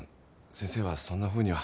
先生はそんなふうには。